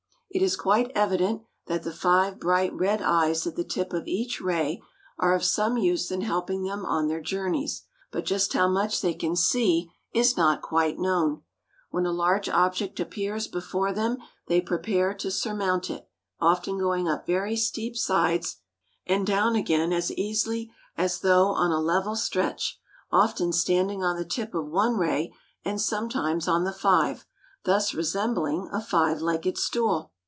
It is quite evident that the five bright red eyes at the tip of each ray are of some use in helping them on their journeys; but just how much they can see is not quite known. When a large object appears before them they prepare to surmount it, often going up very steep sides and down again as easily as though on a level stretch, often standing on the tip of one ray and sometimes on the five, thus resembling a five legged stool.